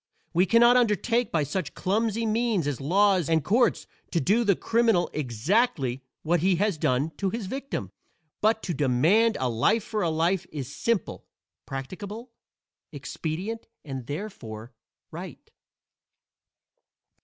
We can not undertake by such clumsy means as laws and courts to do to the criminal exactly what he has done to his victim, but to demand a life for a life is simple, practicable, expedient and (therefore) right.